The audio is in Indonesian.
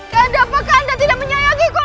kanda apakah anda tidak menyayangiku lagi